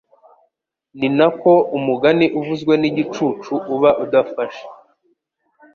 ni na ko umugani uvuzwe n’igicucu uba udafashe